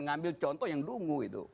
ngambil contoh yang dungu itu